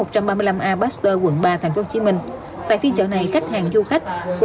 tại hai mươi sáu quận huyện thị xã trên thành phố